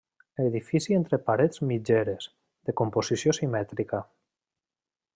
Edifici entre parets mitgeres, de composició simètrica.